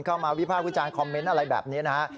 วิภาควิจารณคอมเมนต์อะไรแบบนี้นะฮะ